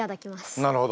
なるほど。